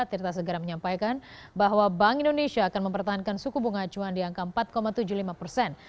tirta segera menyampaikan bahwa bank indonesia akan mempertahankan suku bunga acuan di angka empat tujuh puluh lima persen